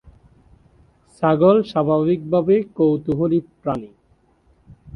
ছাগল স্বাভাবিকভাবেই কৌতূহলী প্রাণী।